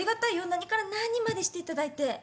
何から何までしていただいて。